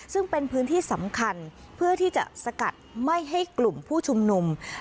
ซึ่งเป็นพื้นที่สำคัญเพื่อที่จะสกัดไม่ให้กลุ่มผู้ชุมนุม